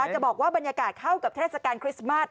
จะบอกว่าบรรยากาศเข้ากับเทศกาลคริสต์มาส